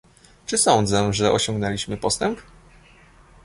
Czy sądzę, że osiągnęliśmy postęp?